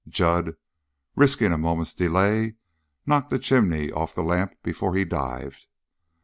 Jud, risking a moment's delay, knocked the chimney off the lamp before he dived.